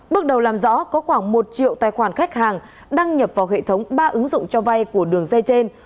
bước đầu làm rõ có khoảng một triệu tài khoản khách hàng đăng nhập vào hệ thống ba ứng dụng cho vay của đường dây trên